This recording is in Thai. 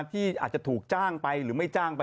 ที่อาจจะถูกจ้างไปหรือไม่จ้างไป